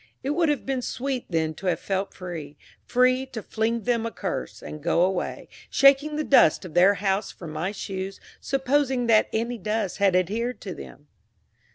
It would have been sweet then to have felt free free to fling them a curse, and go away, shaking the dust of their house from my shoes, supposing that any dust had adhered to them.